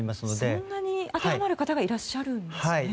そんなに当てはまる方がいらっしゃるんですね。